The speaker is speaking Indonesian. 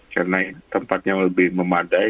karena tempatnya lebih memadai